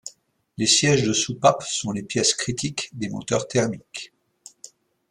Les sièges de soupapes sont des pièces critiques des moteurs thermiques.